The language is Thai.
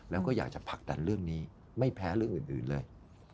แล้วก็อยากจะผลักดันเรื่องนี้ไม่แพ้เรื่องอื่นเลย